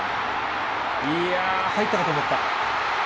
いやー、入ったかと思った。